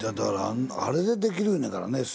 あれでできるんやからね。